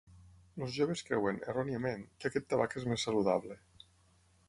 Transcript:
Els joves creuen, erròniament, que aquest tabac és més saludable.